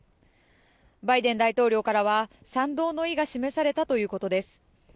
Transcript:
バイデン大統領からは賛同の意が示されたということです。